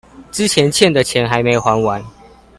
之前欠的錢還沒還完